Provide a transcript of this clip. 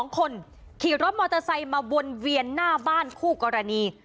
๒คนขี่รถมอเตอร์ไซค์มาวนเวียนหน้าบ้านคู่กรณี